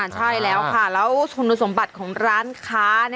ใช่แล้วค่ะแล้วคุณสมบัติของร้านค้า